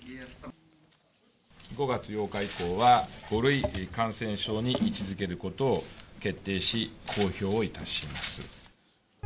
５月８日以降は、５類感染症に位置づけることを決定し、公表いたします。